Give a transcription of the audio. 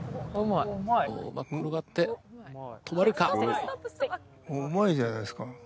あっうまいじゃないですか。